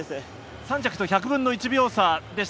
３着と１００分の１秒差でした。